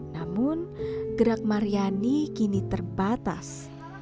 namun gerak maryani kini terbatas